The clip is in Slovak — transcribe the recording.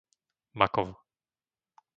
Makov